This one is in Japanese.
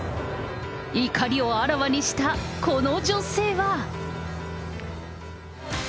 怒りをあらわにしたこの女性は。